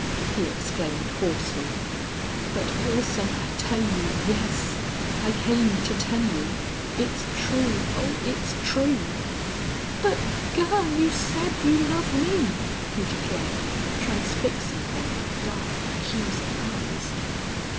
_" he exclaimed, hoarsely. "But, Wilson, I tell you yes. I came to tell you. It's true oh, it's true!" "But, girl, you said you love me," he declared, transfixing her with dark, accusing eyes.